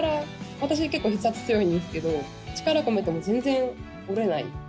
私、結構筆圧強いんですけど力を込めても全然折れない。